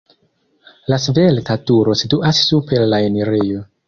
La svelta turo situas super la enirejo.